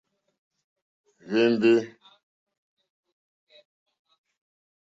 Hwémbè.